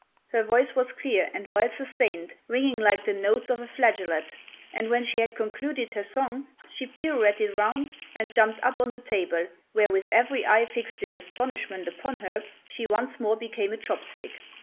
Her voice was clear and well sustained, ringing like the notes of a flageolet, and when she had concluded her song she pirouetted round and jumped up on the table, where, with every eye fixed in astonishment upon her, she once more became a chop stick.